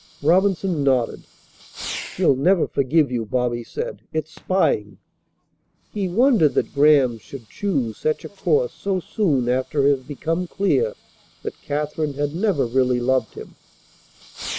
Robinson nodded. "She'll never forgive you," Bobby said. "It's spying." He wondered that Graham should choose such a course so soon after it had become clear that Katherine had never really loved him.